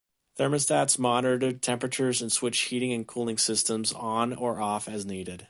Thermostats monitored temperatures and switched heating and cooling systems on or off as needed.